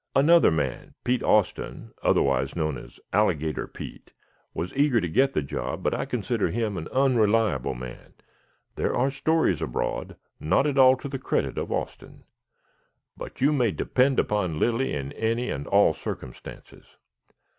Another man, Pete Austen otherwise known as Alligator Pete was eager to get the job, but I consider him an unreliable man. There are stories abroad not at all to the credit of Austen. But you may depend upon Lilly in any and all circumstances."